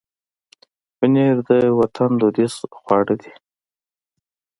پنېر د وطن دودیز خواړه دي.